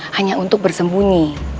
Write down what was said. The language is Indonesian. hanya untuk bersembunyi